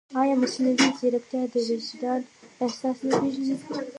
ایا مصنوعي ځیرکتیا د وجدان احساس نه پېژني؟